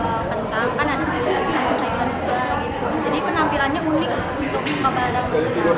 jadi penampilannya unik untuk buka barang